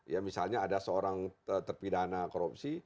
ya misalnya ada seorang terpidana korupsi